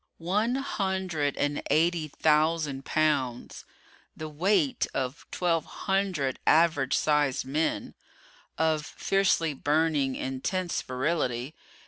One hundred and eighty thousand pounds the weight of twelve hundred average sized men of fiercely burning, intense virility.